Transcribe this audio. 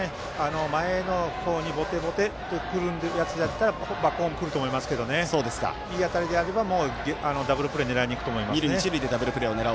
前の方にボテボテとくるやつだったらバックホームくると思いますけどいい当たりであればもうダブルプレー狙いにいくと思いますね。